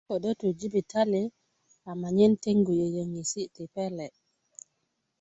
ködö tu jibitali anyen teŋgu yöyöŋesi ti pele'